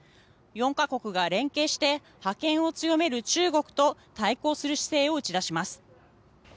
４か国が連携して覇権を強める中国と対抗する姿勢を打ち出します。